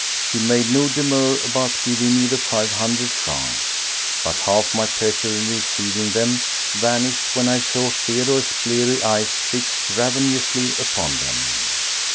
He made no demur about giving me the five hundred francs, but half my pleasure in receiving them vanished when I saw Theodore's bleary eyes fixed ravenously upon them.